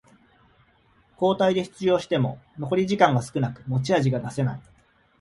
交代で出場しても残り時間が少なく持ち味が出せない